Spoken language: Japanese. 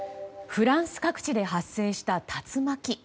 フランス各地で発生した竜巻。